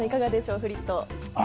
フリット。